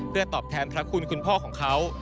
เพื่อตอบแทนพระคุณคุณพ่อของเขา